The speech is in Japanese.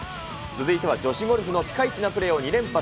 続いては女子ゴルフのピカイチなプレーを２連発。